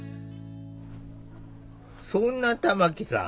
そんな玉木さん